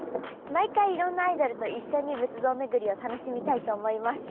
毎回いろんなアイドルと一緒に仏像巡りを楽しみたいと思います。